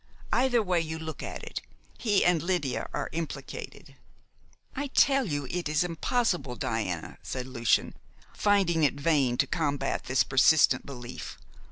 Either way you look at it, he and Lydia are implicated." "I tell you it is impossible, Diana," said Lucian, finding it vain to combat this persistent belief.